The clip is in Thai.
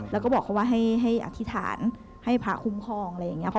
แล้วก็บอกเขาว่าให้อธิษฐานให้พระคุ้มครองอะไรอย่างนี้